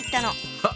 はっ！